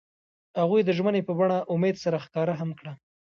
هغوی د ژمنې په بڼه امید سره ښکاره هم کړه.